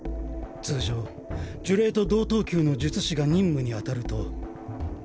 通常呪霊と同等級の術師が任務に当たると。